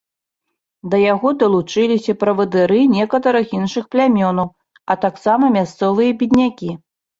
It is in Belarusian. Да яго далучыліся правадыры некаторых іншых плямёнаў, а таксама мясцовыя беднякі.